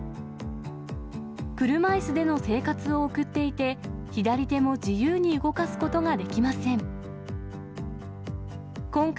車いすでの生活を送っていて、左手も自由に動かすことができません。